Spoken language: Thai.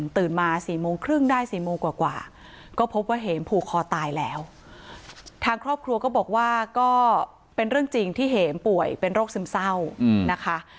ทางครอบครัวก็บอกว่าก็เป็นเรื่องจริงที่เหมป่วยเป็นโรคซึมเศร้านะคะ